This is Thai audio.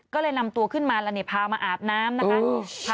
ก็เลยนำตัวขึ้นมาแล้วนี่พามาอาบน้ำนะคะ